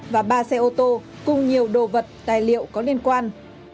và ba xe ô tô cùng nhiều đồ vật tài liệu có liên quan